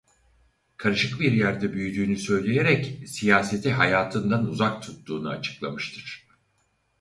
Karışık bir yerde büyüdüğünü söyleyerek siyaseti hayatından uzak tuttuğunu açıklamıştır.